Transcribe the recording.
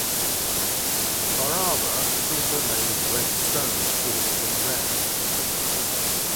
Bhairava is also made of red stone brought from there.